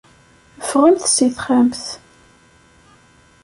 Ffɣemt si texxamt.